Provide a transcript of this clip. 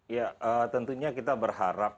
ya tentunya kita berharap